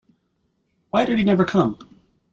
Why did he never come?